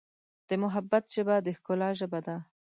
د محبت ژبه د ښکلا ژبه ده.